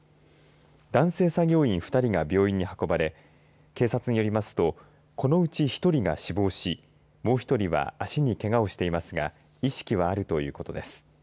男性作業員２人が病院に運ばれ警察によりますとこのうち１人が死亡しもう１人は足にけがをしていますが意識は、あるということです。